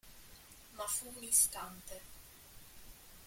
Ma fu un istante.